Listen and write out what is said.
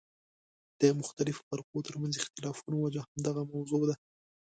د مختلفو فرقو ترمنځ اختلافونو وجه همدغه موضوع ده.